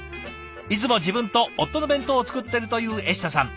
いつも自分と夫の弁当を作ってるというえしたさん。